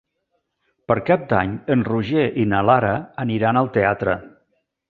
Per Cap d'Any en Roger i na Lara aniran al teatre.